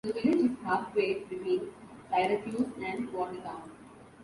The village is halfway between Syracuse and Watertown.